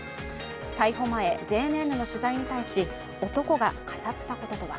逮捕前、ＪＮＮの取材に対し男が語ったこととは。